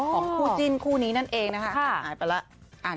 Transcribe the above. ของคู่จิ้นคู่นี้นั่นเองนะคะหายไปแล้ว